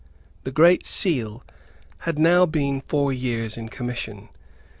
The Great Seal had now been four years in commission.